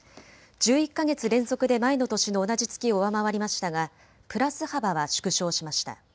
１１か月連続で前の年の同じ月を上回りましたがプラス幅は縮小しました。